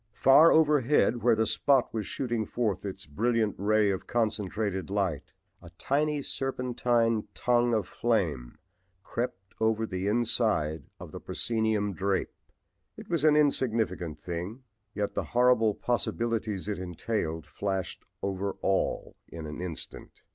Far overhead where the "spot" was shooting forth its brilliant ray of concentrated light a tiny serpentine tongue of flame crept over the inside of the proscenium drape. It was an insignificant thing, yet the horrible possibilities it entailed flashed over all in an instant.